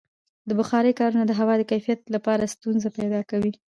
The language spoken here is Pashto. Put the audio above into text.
د بخارۍ کارونه د هوا د کیفیت لپاره ستونزې پیدا کوي.